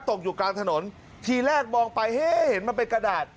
ตกอยู่กลางถนนทีแรกมองไปเฮ้เห็นมันเป็นกระดาษ